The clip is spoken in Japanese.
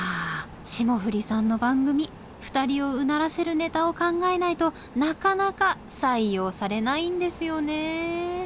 霜降りさんの番組２人をうならせるネタを考えないとなかなか採用されないんですよね